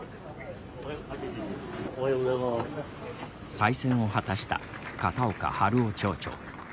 再選を果たした片岡春雄町長。